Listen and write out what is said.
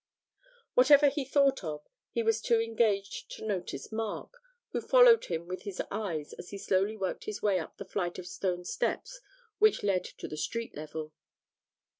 Whatever he thought of, he was too engaged to notice Mark, who followed him with his eyes as he slowly worked his way up the flight of stone steps which led to the street level.